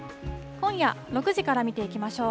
今夜６時から見ていきましょう。